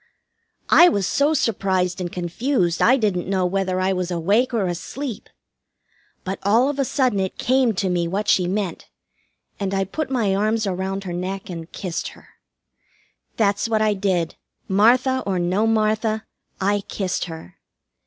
I was so surprised and confused I didn't know whether I was awake or asleep. But all of a sudden it came to me what she meant, and I put my arms around her neck and kissed her. That's what I did, Martha or no Martha; I kissed her.